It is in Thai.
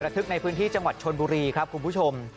ทึกในพื้นที่จังหวัดชนบุรีครับคุณผู้ชม